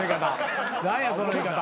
何やその言い方。